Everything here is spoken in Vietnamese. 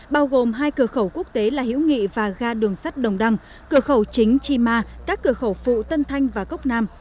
bao gồm hai cửa khẩu quốc tế là hiễu nghị và ga đường sắt đồng đăng cửa khẩu chính chi ma các cửa khẩu phụ tân thanh và cốc nam